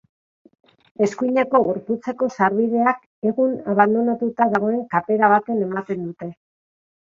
Eskuineko gorputzeko sarbideak egun abandonatuta dagoen kapera batera ematen zuen.